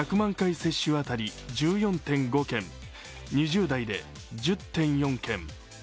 接種当たり１０．４件、２０代で１０．４件。